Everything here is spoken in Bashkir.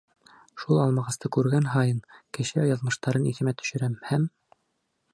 Шул алмағасты күргән һайып, кеше яҙмыштарын иҫемә төшөрәм һәм: